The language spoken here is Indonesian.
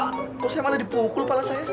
kok saya malah dipukul kepala saya